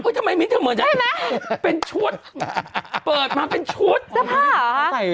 เฮ้ยทำไมมินท์จะเหมือนแบบนี้ใช่ไหมเป็นชุดเปิดมาเป็นชุดรักษาผ้าหรอฮะ